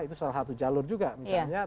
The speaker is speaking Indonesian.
itu salah satu jalur juga misalnya